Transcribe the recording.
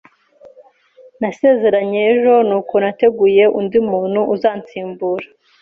Nasezeranye ejo, nuko nateguye undi muntu uzansimbura.